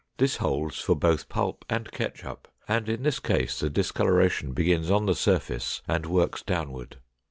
This holds for both pulp and ketchup and in this case the discoloration begins on the surface and works downward.